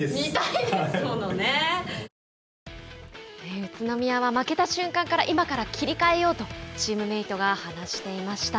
宇都宮は負けた瞬間から今から切り替えようとチームメートが話していました。